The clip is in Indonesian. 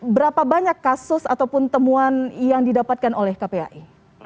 berapa banyak kasus ataupun temuan yang didapatkan oleh kpai